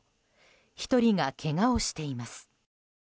１人がけがをしています。